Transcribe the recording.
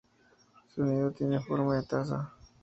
Su nido tiene forma de taza.